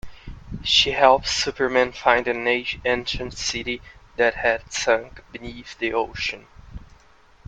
She helps Superman find an ancient city that had sunk beneath the ocean.